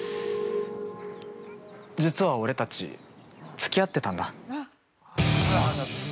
実は俺たち、つき合ってたんだ。